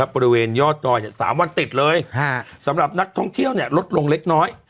บริเวณยอดดอย๓วันติดเลยสำหรับนักท่องเที่ยวลดลงเล็กน้อย